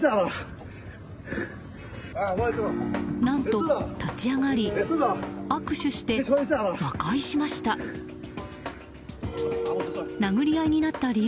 何と、立ち上がり握手して和解しました。